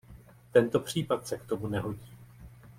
Tento případ se k tomu nehodí.